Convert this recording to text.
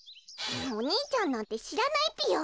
お兄ちゃんなんてしらないぴよ！